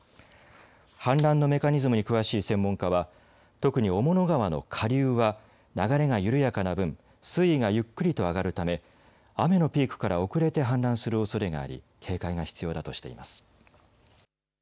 氾濫のメカニズムに詳しい専門家は特に雄物川の下流は流れが緩やかな分、水位がゆっくりと上がるため雨のピークから遅れて氾濫するおそれがあり警戒が必要だとしています。